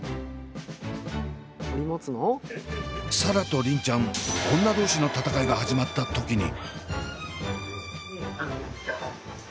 紗蘭と梨鈴ちゃん女同士の戦いが始まった時に。